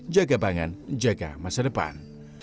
jaga pangan jaga masa depan